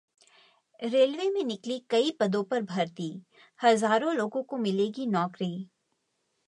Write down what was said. railway में निकली कई पदों पर भर्ती, हजारों लोगों को मिलेगी नौकरी